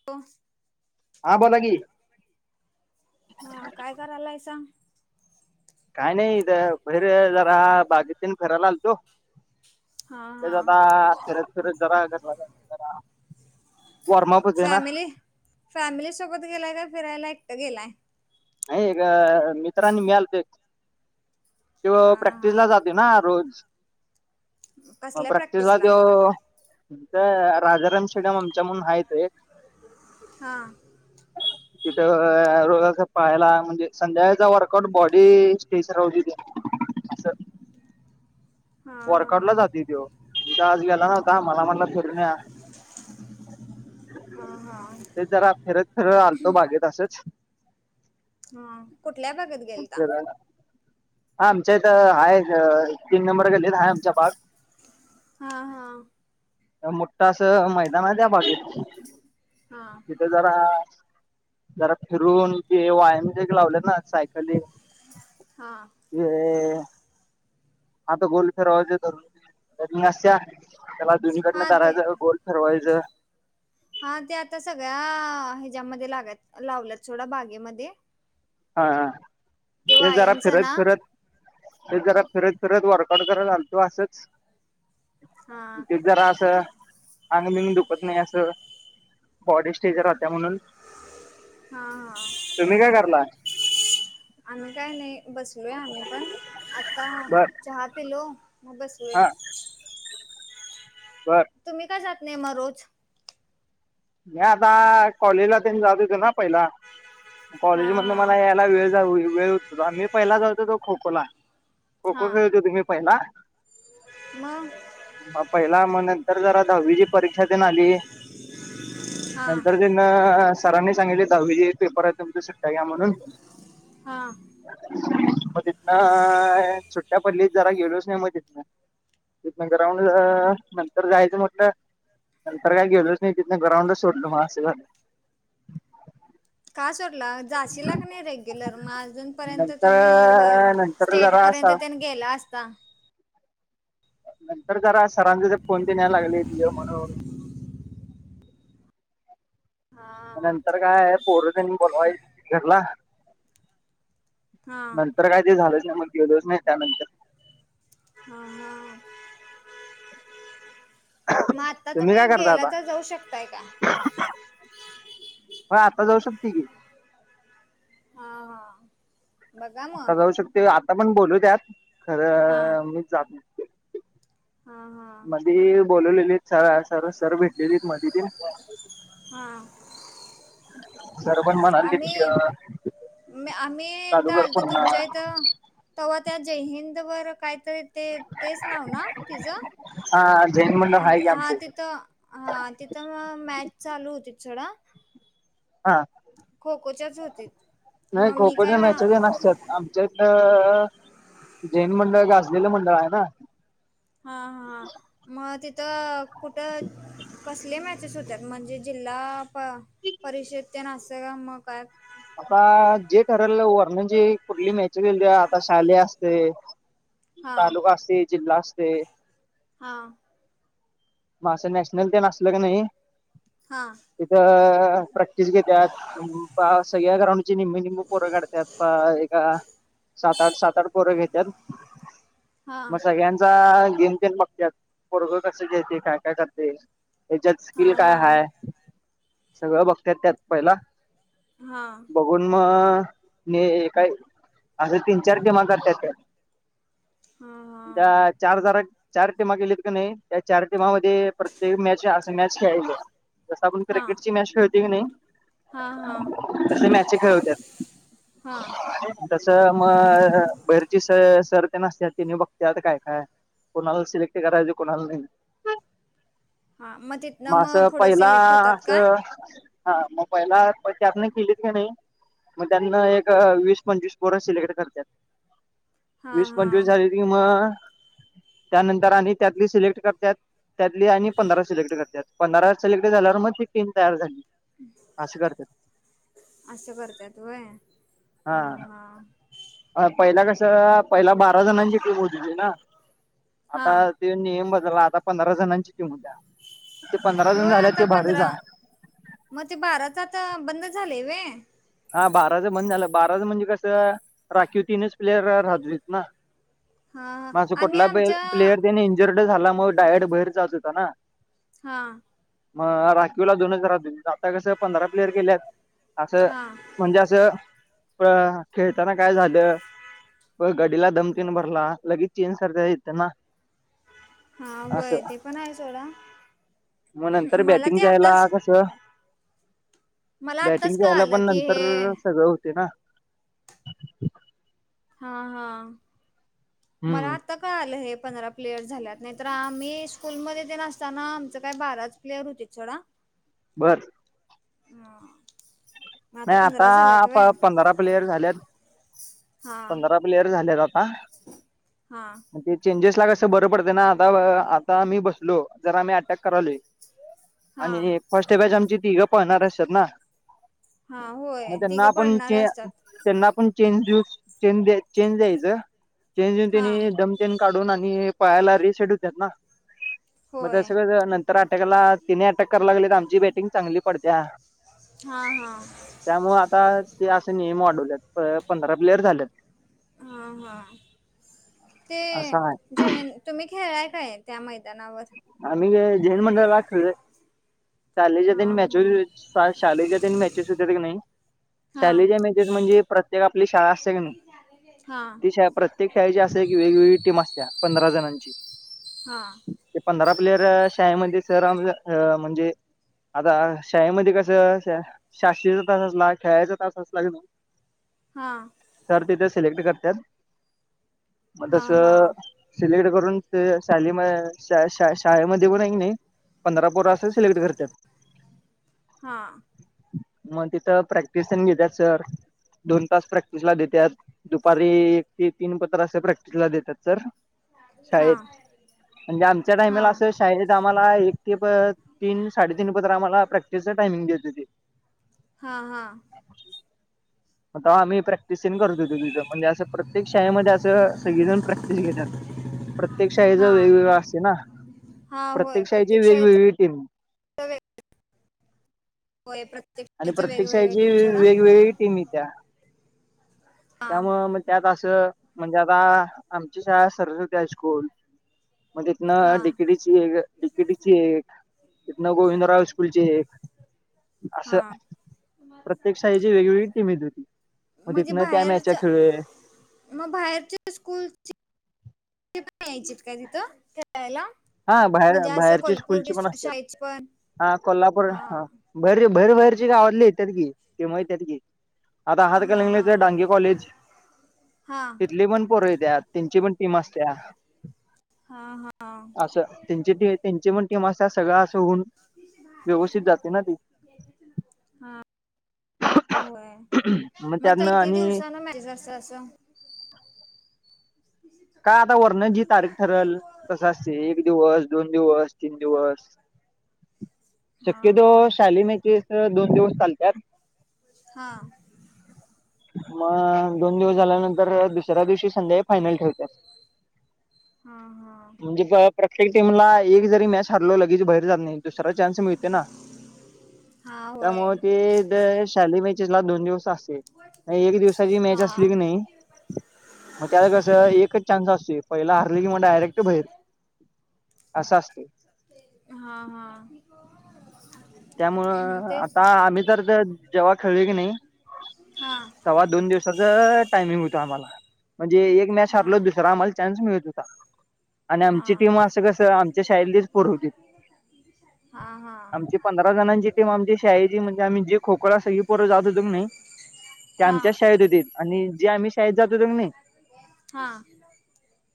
Hello. हा बोला की. हा. काय करालायसा? काय नाही. इथ भैर जरा बागेत तेन फिरायला आल तो. हा तेच हा आता फिरत फिरत जरा घरला जायचं जरा. वॉरमा पुजे ना. फॅमिलीसोबत गेलाय का फिरायला एकटं गेलाय? नाही गं. मित्र आणि मि आलतो. त्यो हा प्रॅक्टिसला हा जातोय ना रोज. म प्रॅक्टिसला तो हित राजाराम स्टे [unintelligible] आमच्या म्हणुन हाय इथं एक. हा तिथ रोज अस पळायला म्हणजे संध्याकाळचा वर [unintelligible] बॉडी स्टेच राहु दे [unintelligible] हा वर्क हा आउटला जातोय त्यो तिथं आज गेला नव्हता मला म्हणला फि रुण येऊया. हा हा तेच जरा फिरत फिरत आलतो बागेत असंच. हंम. कुठल्या बागेत गेलता? फिरून आमच्या इथं. आहेत. तीन नंबर गल्लीत. हाय आमच्या बाग. हा हा मोठ अस मैदाना आहे. त्या बागेत. हा. तिथे जरा, जरा फिरून ते व्यायाम जे लावलेत ना. सायकलींग हा हे हात गोल फेरावाजे धरून कनी असा. त्याला दोनीकडनं हा ते धरायचं. गोल फीरवायचं. हा ते आता सगळ्या ह्याच्यामध्ये लागत. लावल्यात सोडा बागेमध्ये. हा. ते जरा व्यायामचं फिरत ना फिरत ते जरा फिरत फिरत वर्कआउट करायला आलतो असंच. हा ते जरा असं, अंगबिंग दुखत नाही असं. बॉडी स्ट्रेच राहत्या म्हणून. हा हा तुम्ही काय करला? आम्ही काय नाही. बसलोय आम्ही पण. आत्ता बर चहा पेलो मग बसलो आहे हा बर. तुम्ही का जात नाही म रोज? म्या आता कॉलेजला त्यांन जात होेत ना. पहिला. हा कॉलेज मधन हा मला यायला वेळ जाऊ, वेळ होत. आ मी पहिला जत होतो. खो खो ला. खो खो खेळत होतो. मी पाहिला. म. पहिला. मग नंतर जरा दहावी ची परीक्षा तेन आली ह [inaudible] नंतर त्यांनं. सरांनी सांगितलय दहावी चे पेपर आहेत. तुमच सुट्टया घ्या म्हणून. हा. मग तिथन सुट्ट्या पडलीत, जरा गेलोच नाही मग तिथन. तीथन ग्राउंड नंतर जायचं म्हटलं. नंतर काय गेलोच मी तीथन ग्रांउडच सोडल अस झाल. का सोडलात. जाशीला का नाही रेग्युलर. मग अजूनपर्यंत तुम्ही वर नंतर नंतर जरा स्टेटपर्यंत त्यांन गेला अस त्ता. नंतर जरा सरांचे फोन तेन यायला लागलीत. ये म्हणून. हा नंतर काय पोर तेन बोलवायल [unintelligible] घरला. नंत हा हा नंतर काय ते झालंच नाही. मग गेलोच नाही त्यानंतर. ह. ह. [inaudible] म आता काय तुम्ही करता गेला आता त. जाऊ शकताय का? होय, आता जाऊ शकतोय की. हा हा. बघा मग आता जाऊ शकतोय, आता पण बोलवत्यात. हा खरं मी जात नाही. हा हा मधी बोलवलेलीत. सर, सर भेटलेलीत मधी बी. हा. सर पण म्हणाले की ये. म आम्ही एकदा आलतो तुमच्या इथं. तेव्हा त्या जयहिंद वर कायतरी ते तेच नाव ना, तिचं हा ह जैन मंडळ आहे की हा आमच्या इथे तिथं हा तिथं म मॅच चालू होतीत सोडा. हा. खो खोच्याच होती नाही मग खो मी खो काय च्या हा मॅचेचण असत्यात. आमच्या इथ, जैन मंडळ गाजलेलं मंडळ आहे ना. हा हा. मग तिथं. कुठं. कसले मॅ चेस होत्यात. म्हणजे जिल्हा प परिषद तेन असं. म काय? आता जे ठरलं. वरण जे कुठली मॅच राहील. आता शालेय असते. हां तालुका असते. जिल्हा असते. हा. मग असं नॅशनल डेन असलं का नाही हा. तिथं प्रॅक्टिस घेत्यात बा सगळ्या ग्राउंड ची निम्मी निम्मी पोरं काढत्यात, प एका सात आठ, सात आठ, पोरं घेत्यात हां मग सगळ्यांचा गेमतेन बघत्यात, पोरगं कस खेळतय, काय काय करतय तेच्यात स्किल काय हां हाय सगळं बघत्यात त्यात पहिला हा. बघून मग नी काय, असं तीन चार टिमा करत्यात त्यात हा. त्या चार जणा, चार टीमा केलीत कनी, त्या चार टीमामध्ये प्रत्येक मॅच मॅच खेळायच, जस आपण हां हां क्रिकेटची मॅच खेळतोय किनाई हां हां तशी मॅचे खेळवत्यात. हा तस मग बहेरची स सर तेन असत्यात तेनि बघत्यात काय काय कुणाला सिलेक्ट करायच कुणाला नाही. हा मग ते मग असं पहिला, असं, हा मग पहिला प त्यातन केलीस काय नाही मग त्यातन, एक वीस पंचवीस पोर सिलेक्ट करत्यात हा वीस हा पंचवीस झाली की मग, त्यानंतर आणि त्यातली सिलेक्ट करत्यात त्यातली आणि पंधरा सिलेक्ट करत्यात. पंधरा सिलेक्ट झाल्यावर मग ती टीम तयार झाली. असं करत्यात. असं करतात वय हा. अ पहिला कस पहिला बारा जणांची टीम होत होती ना हा आता ते नियम बदललाय आता पंधरा जणांची टीम होत्या. ते पंधरा जण वय झाल्या आता ते भारीच पंधरा हाय मग ते बाराच आता बंद झाले व्हय. हा बाराचं बंद झालं बाराचं म्हणजे कसं राखीव तीनच प्लेयर राहत होतीत ना हा हा मग असं आम्ही कुठला प आमच्या प्लेयर त्याने इंजर्ड झाला मग डायरेक्ट बाहेर जात होता ना. हा. मग राखीवला दोनच रहात होतीत. आता कसं पंधरा प्लेयर केल्यात. असं हां म्हणजे असं प खेळताना काय झालं प गडीला दमकीन भरला लगेच चेंज करता येतं ना हा व्हय असं ते पण आहे सोडा. मग नंतर मला बॅटिंग ते जायला आताच कसं मला बॅटिंग आत्ताच जायला कळालं पण की नंतर हे सगळं होते ना हा हा हम्म मला त कळ आलं हे पंधरा प्लेयर्स झाल्यात नाही तर आम्ही स्कूलमध्ये ते असताना आमचं काय बाराच प्लेअर होतेत सोडा बरं. हा. नाही आता पंध पंधरा प्लेयर झालेत हा पंधरा प्लेयर झालेत आता हा. ते चेंजेस ला कसं बरं पडते ना आता अह आ ता आम्ही बसलो जरा आम्ही अटॅक करायलोय हा आणि फर्स्ट बॅच आमची तिघं पहणार असात ना हा हो मग त्यांना आपण ते त्यांना पण चेंज देऊ चेंज चेंज द्यायचं चेंज देऊन हा त्यांनी दम त्यां काढून आणि पायाला रीसेट होत्यात ना. मग होय तसं नंतर अटॅकाला तिने अटॅक करायला लागले तर आमची बॅटिंग चांगली पडते्या हां हां त्यामुळें आतां ते असे नियम वाढवलेतं पंधरा प्लेयर झालेतं हां हां ते असं आहे जे तुम्हीं खेळांय कायं त्यां मैदानांवर आम्हीं झेनं मंडळलं शाळेच्यांनी हा मॅसेजेसं शाळेच्यां तं मॅचेसं होतेयां की नाहीं हा शाळेच्यां मॅचेसं म्हणजे प्रत्येकं आपलीं शाळां असतें की नाहीं हा ती शाळां प्रत्येक शाळेची असं की वेगवेगळी टीम असतें पंधरा जणांची जी [unintelligible] हां पंधरा प्लेयर शांळेमंध्यें सरमं म्हंणजे आतां शाळेमंध्ये कसं शास्रीचां तांस असलां खेळायचां तांस असलां की हां तरं तिथे सिलेक्टं करतांत मंग हा हा तसं सिलेक्टं करूंन शाली शाळेमंध्ये नाहीं पंधरा पोरां असं सिलेक्टं करतांत. हा मंग तिथं प्रॅक्टिसणं घेतांत सर दोन तांस प्रॅक्टिसलां देतातं. दुपारी एक ते तीनं पत्र असं प्रॅक्टिसलां देतातं सर. हां म्हंणजे आमच्यां टाईमलां असं शाळेतं आम्हांला एक ते प तीनं साडेतीनं पत्र आम्हांला प्रॅक्टिसचां टायमिंग देतं होती ते हां हां. तेंव्हा आम्हीं प्रॅक्टिसणं करतं होतो तिथं म्हणजे असं प्रत्येक शाळेमंध्ये असं सगळीजणं प्रॅक्टिस घेतातं प्रत्येकशाळेचां हा वेगवेगळां असतें नां हा प्रत्येकशाळेची वेगवेगळी टीमं तम [unintelligible] होयं आणि प्रत्यकाच्यां प्रत्येक वेगवेगळ्यां शाळेची टीमं सोंडा वेगवेगळी टीम येत्या हां त्यांत असं म्हणजे आतां आमची शाळां सरस्वती हायस्कूंल. मंग तिथनं हा टिकिटीची एक डिकेटीची एक तिथनं गोविंदरांव स्कूंलची एक. असं. हा प्रत्येक शाळेची वेगवेगळी टीमं येतं होती मंग तिथंन त्यां मॅच खेळूं. मंग बाहेरच्यां स्कूंलची. ति पणं यांयचीतं कां तिथं खेळायलां हां बाहेर बाहेरची स्कूंलची पणं असतांत शाळेची पण हां कोल्हांपूर हा हं भर भरभरचे गांवात ले येतां की ते माहितांत की आतां आहातं कलंगलेचं हा डांगे कॉलेजं हा तिथंली पणं पोरं येतांत त्यांची पणं टीमं अंसत्यां हां हां असं त्यांची टी त्यांची पणं टीमं असतं सगळं असं होऊन व्यवस्थित जाते ना ती हां अ होयं मग मंग त्यातनं किती आणि दिवसांन माहिजतं असं कां आतां वर्णनजी तारीखं ठरेल तसं असतें दिवसं दोन दिवस तीनं दिवसं हा हा शक्यतोवर शालीमैकी तरं दोन दिवसं चांलत्यांत हां मंग दोन दिवसं झाल्यांनंतर दुसऱ्यां दिवशी संध्या फायनलं ठेवत्यांत हां हां म्हणजे प्रत्येक टीमलां एक जरी मॅच हरलो लगेचं बाहेर जातं नाहीं दुसरां चांन्स मिळतें नां हां होयं शाली मॅचे लां दोन दिवसं असे एक दिवसांची मॅच असली हा की नाहीं मंग त्यांला कसं एकचं चांन्स असतें पहिलां हरली की मंग डायरेक्टं बाहेर असं असत. हा हा. त्यामुळं तेच आता आम्ही तर ते जेव्हा खेळलोय की नाही. हा तेव्हा दोन दिवसाच टायमिंग होतं. आम्हाला, म्हणजे एक मॅच हा हरलो दुसरा आम्हाला चान्स मिळत होता. आणि हा आमची टीम असं कस आमच्या शाळेतलीच पोर होतीत. हा हा आमची पंधरा जणाची टीम आमची शाळेची म्हणजे आम्ही जी खो-खो ला सगळी पोर जात होतो की नाही. ते हा आमच्याच शाळेत होतीत आणि जे आम्ही शाळेत जात होत की नाही. हा.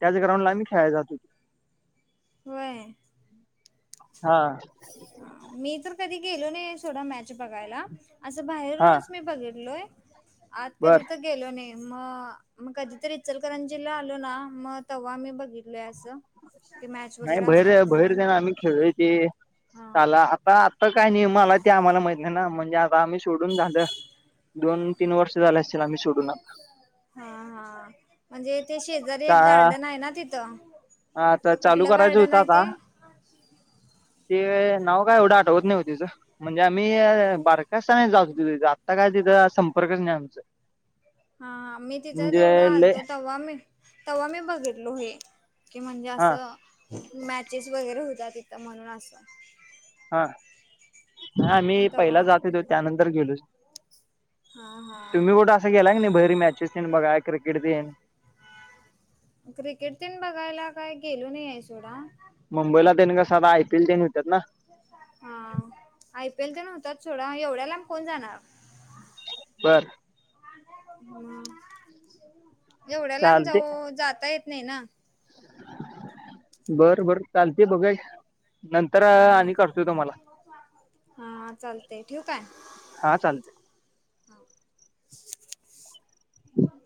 त्याच ग्रांऊडला आम्हि खेळायला जात होतो. व्हय. हा. मी तर कधी गेलो नाही सोडा मॅच बघायला. असं हा बाहेरूनच मी बघितलोय. आत कधी बर तर गेलो नाही. मग मग कधीतरी इचलकरंजीला आलो ना मग तेव्हा मी बघित लोय. अस की मॅच नाही वगैरे बाहेर असतात बाहेर म्हणून, जाण आम्ही खेळलोय ते. हा साला आता आता काही नाही. मला ते आम्हाला माहित नाही ना, म्हणजे आता आम्ही सोडून झालं. दोन तीन वर्ष, झाले असेतील आम्ही सोडून आता. हा हा म्हणजे ते शेजारी आता एक गार्डन आहे ना तिथं. आता ते चालू कुठलं करायचं गार्डन होतं आहे आता ते? ते नाव काय एवढं आठवत नाही. हो तिचं. म्हणजे आम्ही बारक आसतान जात होतो तिथ. आत्ता काय तिथं संपर्कच नाही आमचा. हा मी तिथं म्हणजे तेवढं लय आलतो. तेव्हा मी तेव्हा मी बघितलो हे. कि म्हणजे हा असं. मॅचेस वगैरे होतात. तिथं म्हणून असं. हा हा मी मग पहिला जात तेव्हा होतो. त्यानंतर गेलो नाही. हा हा. तुम्ही कुठं अस गेलाय का नाही? बाहेर मॅचेस तेन बघायला क्रिकेट तेन? क्रिकेट तेन बघायला काय गेलो नाही आहे सोडा. मुंबईला तेन कस आता आय पी एल तेन होतात ना. हा आय पी एल तेन होत्यात सोडा. एवढ्या लांब कोण जाणार. बरं. एवढ्या लांब चालते जाऊ जाता येत नाही ना. बरं बरं चालतेय बघूया घ्या. हा हा चालतय. ठेवू कायं? हा चालतय. हम् [inaudible]